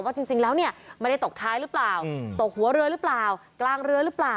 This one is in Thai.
จริงแล้วเนี่ยไม่ได้ตกท้ายหรือเปล่าตกหัวเรือหรือเปล่ากลางเรือหรือเปล่า